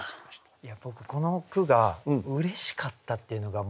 いや僕この句がうれしかったっていうのが。